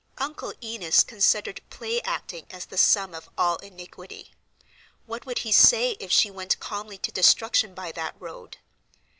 Uncle Enos considered "play actin'" as the sum of all iniquity. What would he say if she went calmly to destruction by that road?